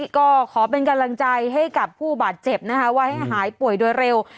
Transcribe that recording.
ก็ขอเป็นกำลังใจให้กับผู้บาดเจ็บนะคะว่าให้หายป่วยโดยเร็ว